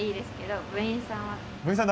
部員さん